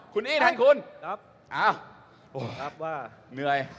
คุณอีทันคุณอ้าวโห้ว้วเหนื่อย